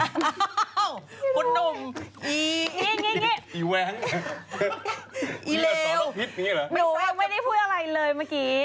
อ้าวคุณหนุ่มอีแว้งอีเลวหนูยังไม่ได้พูดอะไรเลยเมื่อกี้